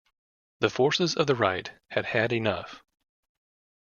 The forces of the right had had enough.